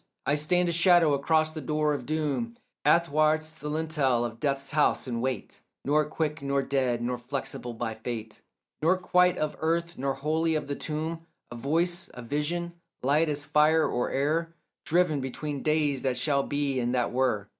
I stand a shadow across the door of doom, Athwart the lintel of death's house, and wait; Nor quick nor dead, nor flexible by fate, Nor quite of earth nor wholly of the tomb; A voice, a vision, light as fire or air, Driven between days that shall be and that were.